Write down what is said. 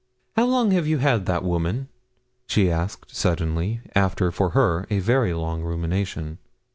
'How long have you had that woman?' she asked suddenly, after, for her, a very long rumination.